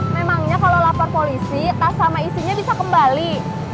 memangnya kalau lapor polisi tas sama isinya bisa kembali